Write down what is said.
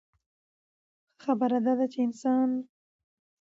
ښۀ خبره دا ده چې انسان